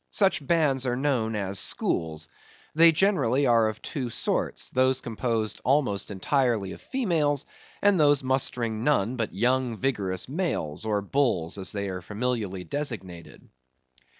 Such bands are known as schools. They generally are of two sorts; those composed almost entirely of females, and those mustering none but young vigorous males, or bulls, as they are familiarly designated.